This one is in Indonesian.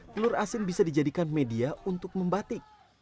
telur asin bisa dijadikan media untuk membatik